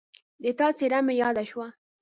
د تا څېره مې یاده شوه